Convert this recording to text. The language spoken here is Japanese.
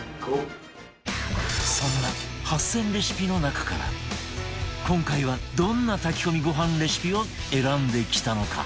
そんな８０００レシピの中から今回はどんな炊き込みご飯レシピを選んできたのか？